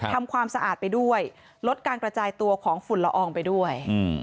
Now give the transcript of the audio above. ทำความสะอาดไปด้วยลดการกระจายตัวของฝุ่นละอองไปด้วย